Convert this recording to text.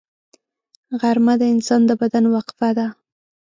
غرمه د انسان د بدن وقفه ده